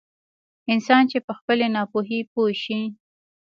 انسان چې په خپلې ناپوهي پوه شي.